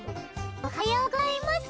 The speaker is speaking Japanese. おはようございます！